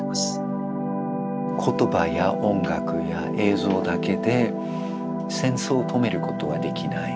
言葉や音楽や映像だけで戦争を止めることはできない。